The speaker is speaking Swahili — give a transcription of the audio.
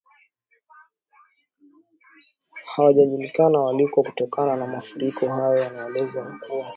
hawajulikani waliko kutokana na mafuriko hayo yanayoelezwa ya kuwa